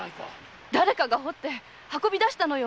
だれかが掘って運び出したのよ！